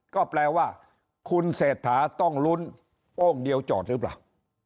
ก็แปลว่าคุณเศรษฐาต้องลุ้นโอ้งเดียวจอดหรือเปล่า